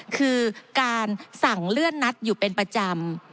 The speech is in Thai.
คือการสั่งเลื่อนนัดอยู่เป็นประจำ